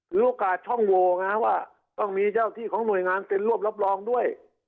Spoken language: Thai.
โอกาสช่องโวไงว่าต้องมีเจ้าที่ของหน่วยงานเป็นร่วมรับรองด้วย